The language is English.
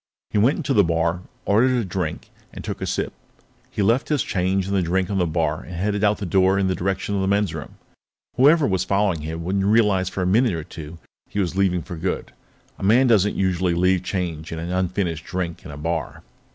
He went into the bar, ordered a drink, and took a sip. He left his change and the drink on the bar and headed out the door in the direction of the men's room. Whoever was following him wouldn't realize for a minute or two that he was leaving for good. A man doesn't usually leave change and an unfinished drink in a bar.